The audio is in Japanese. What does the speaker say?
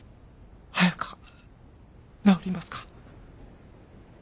彩佳治りますか？